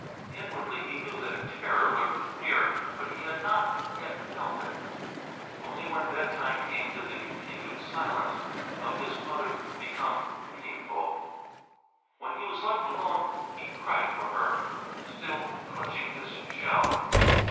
Inwardly he knew that a terror lurked near, but he had not yet felt it. Only when bedtime came did the continued silence of his mother become meaningful. When he was left alone, he cried for her, still clutching his shell.